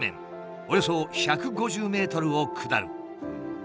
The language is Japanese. およそ１５０ｍを下る。